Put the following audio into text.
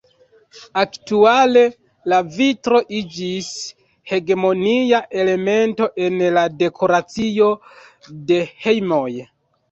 Aktuale, la vitro iĝis hegemonia elemento en la dekoracio de hejmoj.